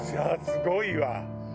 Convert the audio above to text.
すごいわ。